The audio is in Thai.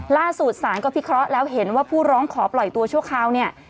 ล่าสุดสารก็พิเคราะห์แล้วเห็นว่าผู้ร้องขอปล่อยตัวชั่วคราวเนี่ย